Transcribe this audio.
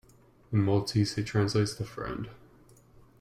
In Maltese it translates to "friend".